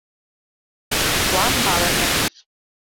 Wan bawer nekir.